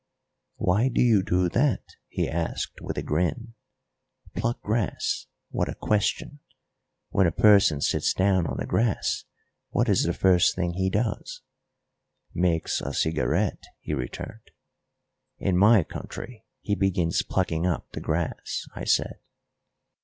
"Why do you do that?" he asked, with a grin. "Pluck grass? What a question! When a person sits down on the grass, what is the first thing he does?" "Makes a cigarette," he returned. "In my country he begins plucking up the grass," I said.